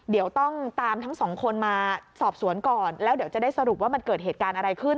เดี๋ยวต้องตามทั้งสองคนมาสอบสวนก่อนแล้วเดี๋ยวจะได้สรุปว่ามันเกิดเหตุการณ์อะไรขึ้น